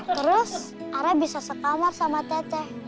terus ara bisa sekamar sama teteh